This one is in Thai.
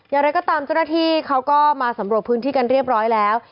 อย่างไรก็ตามเจ้าหน้าที่เขาก็มาสำรวจพื้นที่กันเรียบร้อยแล้ว